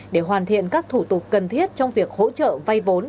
để hoàn thiện các thủ tục cần thiết trong việc hỗ trợ vay vốn